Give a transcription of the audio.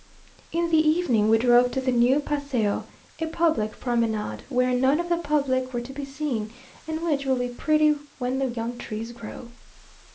In the evening we drove to the new paseo, a public promenade, where none of the public were to be seen, and which will be pretty when the young trees grow.